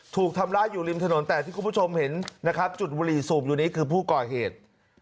ถูกทำร้ายอยู่ริมถนนแต่ที่คุณผู้ชมเห็นนะครับจุดบุหรี่สูบอยู่นี้คือผู้ก่อเหตุ